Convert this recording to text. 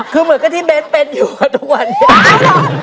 คือเหมือนกับที่เบสเป็นอยู่ค่ะทุกวันนี้